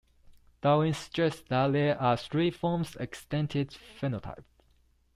Dawkins suggest that there are three forms of extended phenotype.